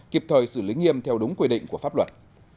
kịp thời xử lý nghiêm theo đúng quy định của pháp luật